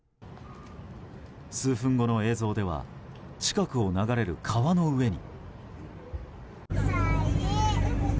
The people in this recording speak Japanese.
数分後の映像では近くを流れる川の上に。